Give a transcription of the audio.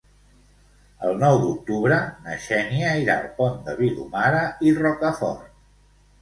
El nou d'octubre na Xènia irà al Pont de Vilomara i Rocafort.